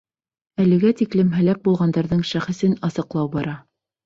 Әлегә тиклем һәләк булғандарҙың шәхесен асыҡлау бара.